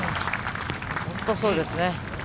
本当、そうですね。